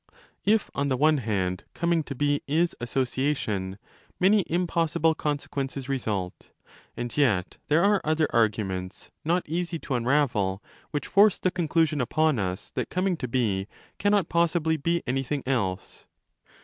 If, on the one hand, coming to be zs ' association', many impossible consequences result: and yet there are other arguments, not easy to unravel, which force the con clusion upon us that coming to be cannot possibly be any thing else.